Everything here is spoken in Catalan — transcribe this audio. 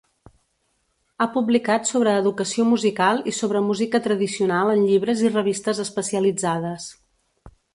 Ha publicat sobre educació musical i sobre música tradicional en llibres i revistes especialitzades.